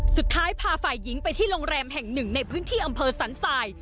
สุดท้ายพาฝ่ายหญิงไปที่โรงแรมแห่งหนึ่งในพื้นที่อำเภอสันสาย